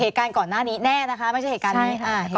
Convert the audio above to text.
เหตุการณ์ก่อนหน้านี้แน่นะคะไม่ใช่เหตุการณ์นี้